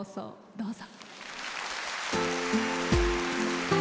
どうぞ。